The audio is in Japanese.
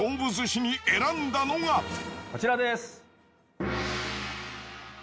こちらです。